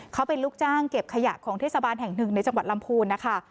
เขาเป็นลูกจ้างเก็บขยะของเทศบาลแห่งหนึ่งในจังหวัดลำพูนนะคะ